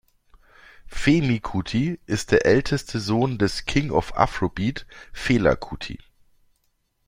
Femi Kuti ist der älteste Sohn des „King of Afrobeat“ Fela Kuti.